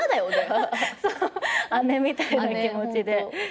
姉みたいな気持ちで。